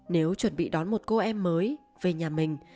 nếu chuẩn bị đón một cô em mới về nhà mình